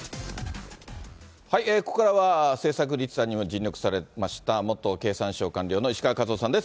ここからは政策立案にも尽力されました元経産省官僚の石川和男さんです。